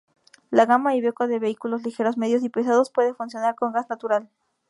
La gama Iveco de vehículos ligeros, medios y pesados puede funcionar con gas natural.